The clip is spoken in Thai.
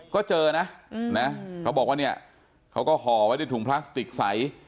ก็เจอนะเขาบอกว่าเนี่ยเขาก็ห่อไว้ในถุงพลาสติกใส